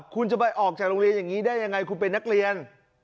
คุณจะไปออกจากโรงเรียนอย่างนี้ได้ยังไงคุณเป็นนักเรียน